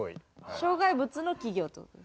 障害物の企業。